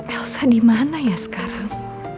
elsa dimana ya sekarang